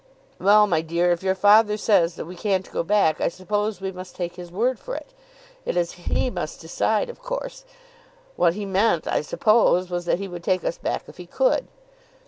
"Well, my dear, if your father says that we can't go back, I suppose we must take his word for it. It is he must decide of course. What he meant I suppose was, that he would take us back if he could."